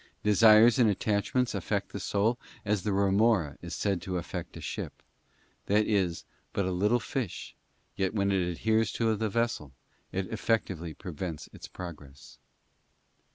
Desires and attachments affect the 'soul as the remora is said to affect a ship; that is but a little fish, yet when it adheres to the vessel it effectually prevents its progress.